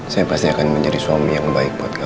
saya pasti akan menjadi suami yang baik buat kami